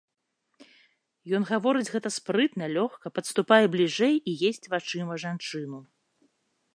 Ён гаворыць гэта спрытна, лёгка, падступае бліжэй і есць вачыма жанчыну.